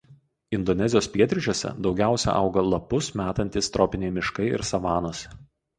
Indonezijos pietryčiuose daugiausia auga lapus metantys tropiniai miškai ir savanos.